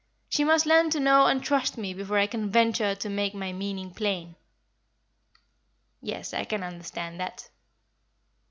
She must learn to know and trust me before I can venture to make my meaning plain." "Yes, I can understand that."